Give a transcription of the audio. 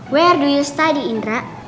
dimana kamu belajar indra